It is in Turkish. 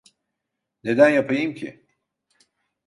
Neden yapayım ki?